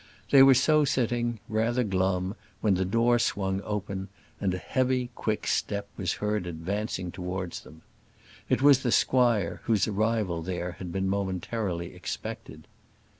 They were so sitting, rather glum, when the door swung open, and a heavy, quick step was heard advancing towards them. It was the squire; whose arrival there had been momentarily expected.